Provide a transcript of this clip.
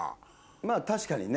まぁ確かにね。